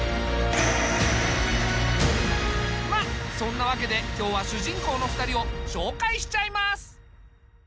まあそんなわけで今日は主人公の２人を紹介しちゃいます。